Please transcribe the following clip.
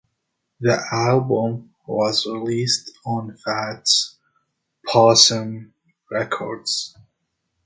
The album was released on Fat Possum Records.